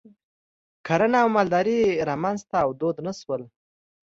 کرنه او مالداري رامنځته او دود نه شول.